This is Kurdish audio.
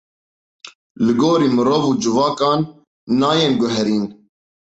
Li gorî mirov û civakan nayên guherîn.